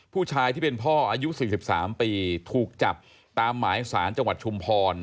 ผู้ชายที่เป็นพ่ออายุ๔๓ปีถูกจับตามหมายสารจังหวัดชุมพร